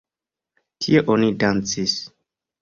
Tie oni dancis.